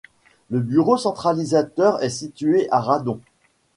Le bureau centralisateur est situé à Radon.